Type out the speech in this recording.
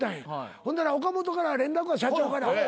ほんなら岡本から連絡が社長から。